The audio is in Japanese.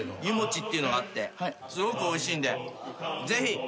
湯もちっていうのがあってすごくおいしいんでぜひ。